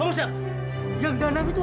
aku sudah berhenti